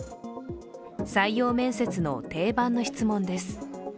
採用面接の定番の質問です。